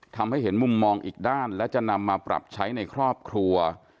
ทำให้เห็นมุมมองอีกด้านและจะนำมาปรับใช้ในครอบครัว